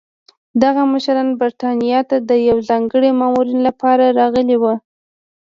دغه مشران برېټانیا ته د یوه ځانګړي ماموریت لپاره راغلي وو.